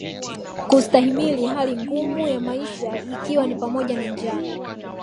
Kustahimili hali ngumu ya maisha ikiwa ni pamoja na njaa